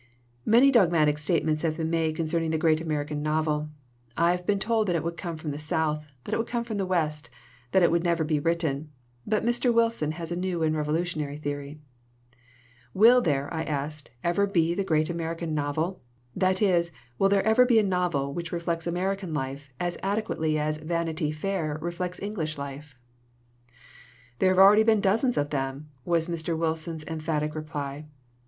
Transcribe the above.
Many dogmatic statements have been made concerning the great American novel. I have been told that it would come from the South, that it would come from the West, that it would never be written. But Mr. Wilson has a new and revolutionary theory. 108 SOME HARMFUL INFLUENCES "Will there,' 1 I asked, "ever be the great American novel? That is, will there ever be a novel which reflects American life as adequately as Vanity Fair reflects English life?" "There have already been dozens of them!" was Mr. Wilson's emphatic reply.